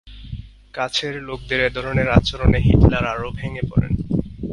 কাছের লোকদের এধরনের আচরণে হিটলার আরও ভেঙ্গে পরেন।